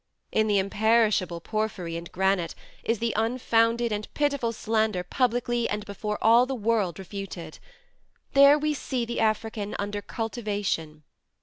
In the imperishable porphyry and granite, is the unfounded and pitiful slander publicly and before all the world refuted: there we see the African under cultivation.